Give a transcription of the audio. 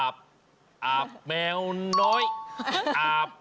สามพญาง